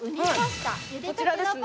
こちらですね。